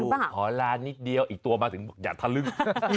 ขอลานิดเดียวอีกตัวมาถึงบอกอย่าทะลึ่ง